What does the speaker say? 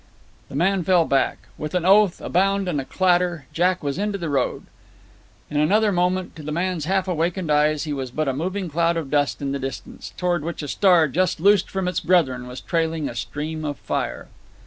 The man fell back. With an oath, a bound, and clatter, Jack was into the road. In another moment, to the man's half awakened eyes, he was but a moving cloud of dust in the distance, toward which a star just loosed from its brethren was trailing a stream of fire.